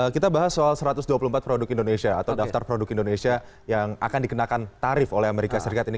kita bahas soal satu ratus dua puluh empat produk indonesia atau daftar produk indonesia yang akan dikenakan tarif oleh amerika serikat ini